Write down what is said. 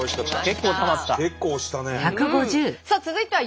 結構押したね。